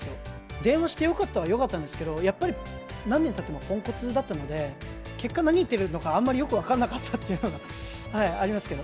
電話してよかったはよかったんですけど、やっぱり何年たってもポンコツだったので、結果、何言ってるのか、あんまりよく分からなかったっていうのがありますけど。